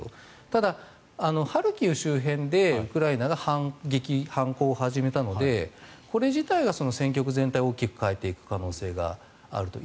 ただ、ハルキウ周辺でウクライナが反撃反攻を始めたのでこれ自体は戦局全体を大きく変えていく可能性があると。